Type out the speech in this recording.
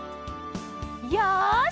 よし！